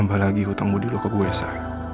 nambah lagi hutangmu dulu ke gue sa